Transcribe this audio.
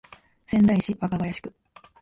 仙台市若林区